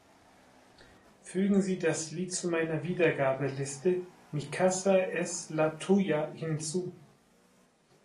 Fügen Sie das Lied zu meiner Wiedergabeliste „Mi Casa Es La Tuya“ hinzu.